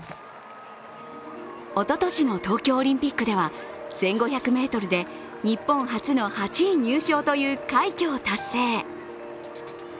おととしの東京オリンピックでは１５００ｍで日本初の８位入賞という快挙を達成。